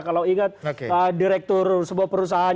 kalau ingat direktur sebuah perusahaan